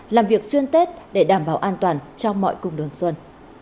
làm việc xuyên tết để đảm bảo an toàn trong mọi cùng đường xuân